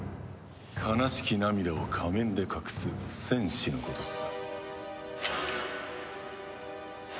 悲しき涙を仮面で隠す戦士のことさ。